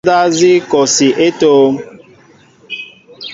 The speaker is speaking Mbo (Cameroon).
Ahéé sínέ kɛέ son póndá nzi kɔsi é tóóm ?